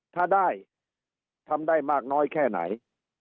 ถ้าได้ทำได้มากน้อยแค่ไหน